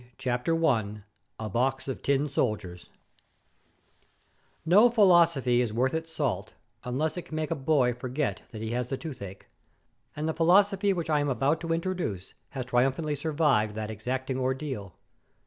PART III I A BOX OF TIN SOLDIERS No philosophy is worth its salt unless it can make a boy forget that he has the toothache; and the philosophy which I am about to introduce has triumphantly survived that exacting ordeal.